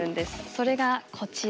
それがこちら。